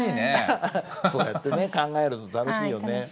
そうやってね考えると楽しいよね。